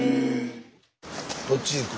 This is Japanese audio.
どっち行く？